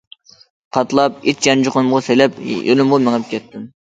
قاتلاپ ئىچ يانچۇقۇمغا سېلىپ يولۇمغا مېڭىپ كەتتىم.